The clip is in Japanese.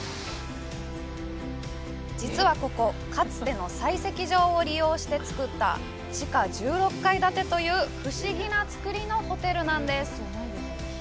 実はここ、かつての採石場を利用して造った地下１６階建てという不思議な造りのホテルなんです。